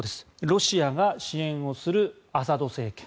ロシアが支援をするアサド政権。